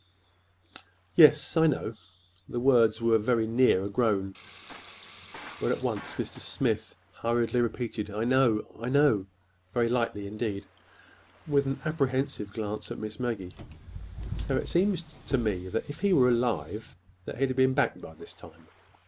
"Yes, I know." The words were very near a groan, but at once Mr. Smith hurriedly repeated, "I know—I know!" very lightly, indeed, with an apprehensive glance at Miss Maggie. "So it seems to me if he were alive that he'd be back by this time.